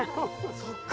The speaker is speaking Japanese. そっか。